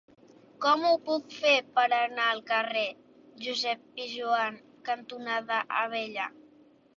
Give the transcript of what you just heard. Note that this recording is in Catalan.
Com ho puc fer per anar al carrer Josep Pijoan cantonada Avellà?